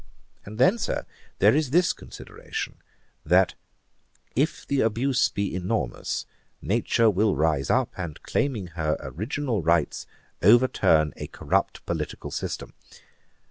And then, Sir, there is this consideration, that if the abuse be enormous, Nature will rise up, and claiming her original rights, overturn a corrupt political system.'